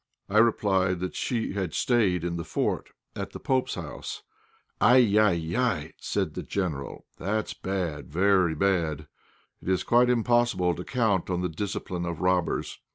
I replied that she had stayed in the fort, at the pope's house. "Aïe! aïe! aïe!" said the General. "That's bad! very bad; it is quite impossible to count on the discipline of robbers."